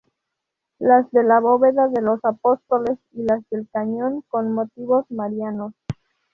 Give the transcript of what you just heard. Las de la bóveda a los Apóstoles y las del cañón, con motivos marianos.